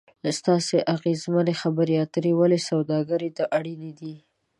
ستاسې اغیزمنې خبرې اترې ولې سوداګري ته اړینې دي ؟